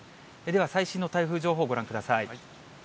では最新の台風情報、ご覧ください。